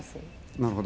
なるほど。